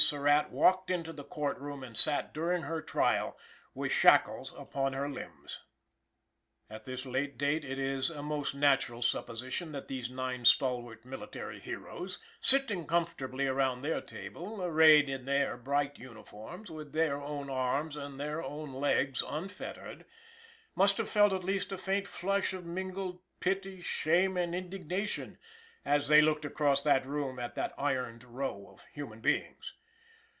Surratt walked into the court room, and sat during her trial, with shackles upon her limbs. At this late day it is a most natural supposition that these nine stalwart military heroes, sitting comfortably around their table, arrayed in their bright uniforms, with their own arms and their own legs unfettered, must have felt at least a faint flush of mingled pity, shame and indignation, as they looked across that room at that ironed row of human beings.